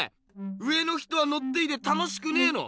上の人はのっていて楽しくねえの？